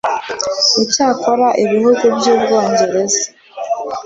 icyakora ibihugu by’u Bwongereza